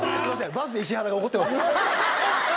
バースデー石原が怒ってます。